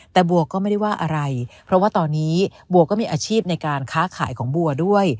แต่บัวก็ไม่ได้ว่าอะไรเพราะว่าตอนนี้บัวก็มีอาชีพในการค้าขายของบัวด้วย